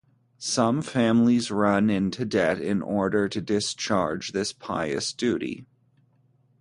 Some families run into debt in order to discharge this pious duty.